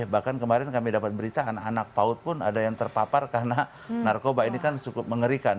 bahkan kemarin kami dapat berita anak anak paut pun ada yang terpapar karena narkoba ini kan cukup mengerikan